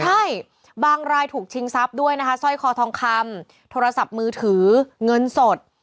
ใช่บางรายถูกชิงทรัพย์ด้วยนะคะสร้อยคอทองคำโทรศัพท์มือถือเงินสด